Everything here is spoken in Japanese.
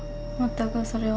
全くそれは。